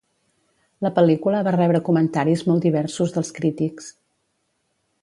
La pel·lícula va rebre comentaris molt diversos dels crítics.